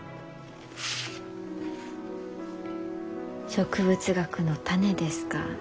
植物学の種ですか。